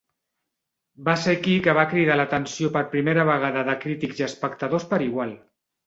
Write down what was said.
Va ser aquí que va cridar l'atenció per primera vegada de crítics i espectadors per igual.